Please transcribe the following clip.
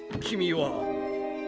君は。